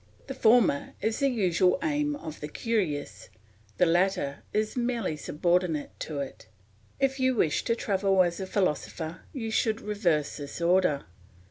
The former is the usual aim of the curious, the latter is merely subordinate to it. If you wish to travel as a philosopher you should reverse this order.